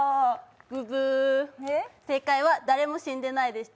ブブー、正解は誰も死んでないでした。